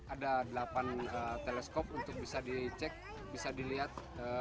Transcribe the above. ada delapan teleskop untuk bisa dicek bisa dilihat